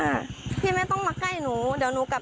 อุ้ยทีนี้มันน่ากลัวเหลือเกินค่ะ